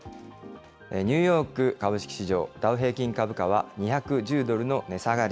ニューヨーク株式市場、ダウ平均株価は、２１０ドルの値下がり。